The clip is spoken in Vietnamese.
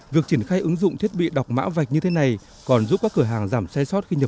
việc triển khai ứng dụng thiết bị đọc mã vạch như thế này còn giúp các cửa hàng giảm sai sót khi nhập